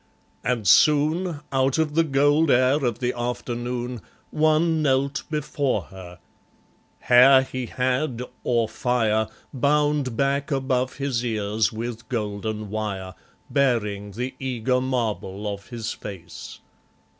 And soon, Out of the gold air of the afternoon, One knelt before her: hair he had, or fire, Bound back above his ears with golden wire, Baring the eager marble of his face.